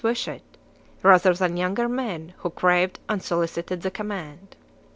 wish it, rather than younger men who craved and solicited the command.